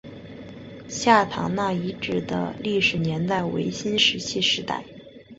下堂那遗址的历史年代为新石器时代。